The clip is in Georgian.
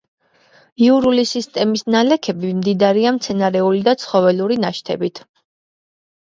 იურული სისტემის ნალექები მდიდარია მცენარეული და ცხოველური ნაშთებით.